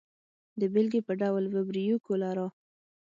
د بېلګې په ډول وبریو کولرا.